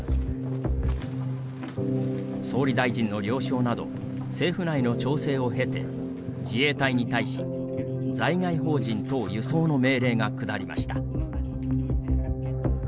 総理大臣の了承など政府内の調整をへて自衛隊に対し、在外邦人等輸送の命令が下りました。